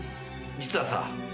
実はさ